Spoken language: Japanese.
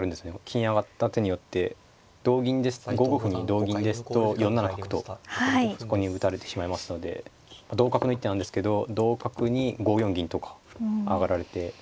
金上がった手によって５五歩に同銀ですと４七角とそこに打たれてしまいますので同角の一手なんですけど同角に５四銀とか上がられて。